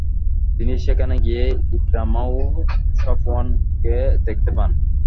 তিনি সেখানে গিয়ে ইকরামা ও সফওয়ানকে দেখতে পান।